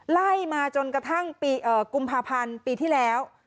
ไล่มาจนกระทั่งกุมภาพันธ์ปีที่แล้ว